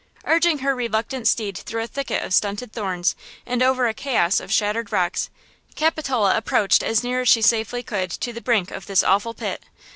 Urging her reluctant steed through a thicket of stunted thorns and over a chaos of shattered rocks, Capitola approached as near as she safely could to the brink of this awful pit.